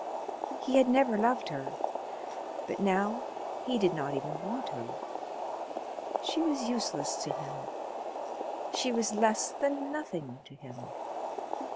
He had never loved her, but now he did not even want her. She was useless to him. She was less than nothing to him.